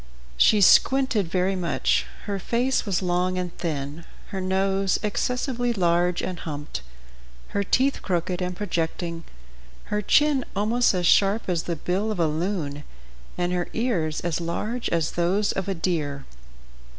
She squinted very much; her face was long and thin, her nose excessively large and humped, her teeth crooked and projecting, her chin almost as sharp as the bill of a loon, and her ears as large as those of a deer.